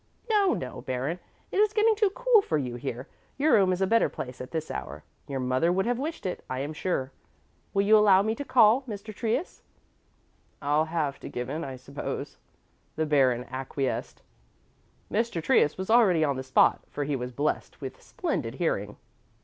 "No, no, Baron, it is getting too cool for you here. Your room is a better place at this hour; your mother would have wished it, I am sure. Will you allow me to call Mr. Trius?" "I'll have to give in, I suppose," the Baron acquiesced. Mr. Trius was already on the spot, for he was blessed with splendid hearing.